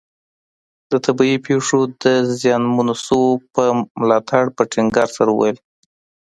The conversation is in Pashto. د طبیعي پېښو د زیانمنو شویو پر ملاتړ په ټینګار سره وویل.